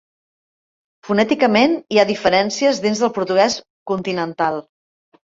Fonèticament, hi ha diferències dins del portuguès continental.